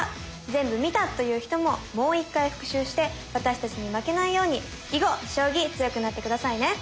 全部見たという人ももう一回復習して私たちに負けないように囲碁将棋強くなって下さいね！